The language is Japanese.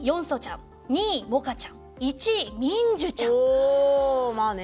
おお！まあね。